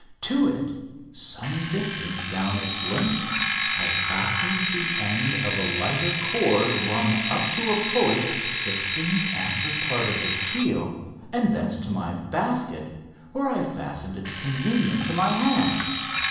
To it, some distance down its length, I fastened the end of a lighter cord run up to a pulley fixed in the after part of the keel, and thence to my basket, where I fastened it convenient to my hand.